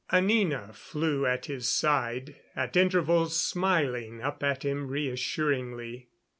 Anina flew at his side, at intervals smiling up at him reassuringly.